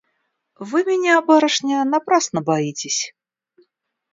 Вы меня, барышня, напрасно боитесь.